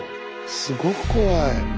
すごく怖い。